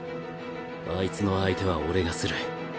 あいつの相手は俺がする。